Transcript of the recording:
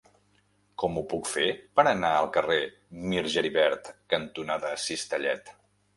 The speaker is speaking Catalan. Com ho puc fer per anar al carrer Mir Geribert cantonada Cistellet?